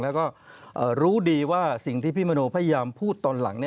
แล้วก็รู้ดีว่าสิ่งที่พี่มโนพยายามพูดตอนหลัง